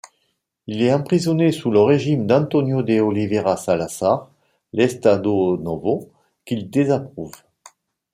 Il est emprisonné sous le régime d'António de Oliveira Salazar, l'Estado Novo, qu'il désapprouve.